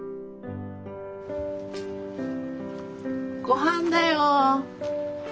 ごはんだよ。